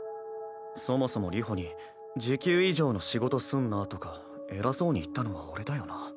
そもそも流星に時給以上の仕事すんなとか偉そうに言ったのは俺だよな。